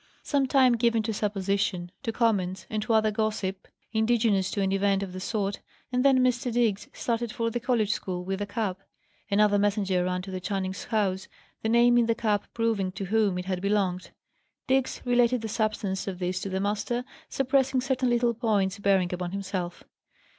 Some time given to supposition, to comments, and to other gossip, indigenous to an event of the sort, and then Mr. Diggs started for the college school with the cap. Another messenger ran to the Channings' house, the name in the cap proving to whom it had belonged. Diggs related the substance of this to the master, suppressing certain little points bearing upon himself.